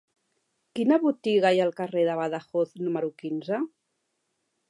Quina botiga hi ha al carrer de Badajoz número quinze?